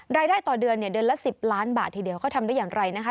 รายได้ต่อเดือนเนี่ยเดือนละ๑๐ล้านบาททีเดียวเขาทำได้อย่างไรนะคะ